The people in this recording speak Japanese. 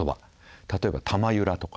例えば「たまゆら」とか。